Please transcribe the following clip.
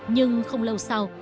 nhưng không lâu sau